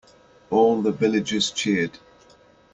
All the villagers cheered.